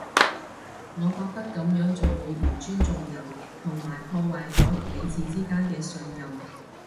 我覺得噉樣做會唔尊重人，同埋破壞咗彼此之間嘅信任